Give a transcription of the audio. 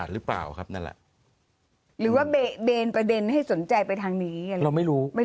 หรองว่าเปนประเด็นให้สนใจไปทางนี้กันเราไม่รู้ไม่